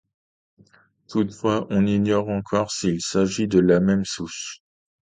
Toutefois, on ignore encore s’il s’agit de la même souche.